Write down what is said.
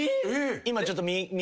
今ちょっと右。